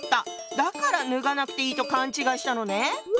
だからぬがなくていいと勘違いしたのね。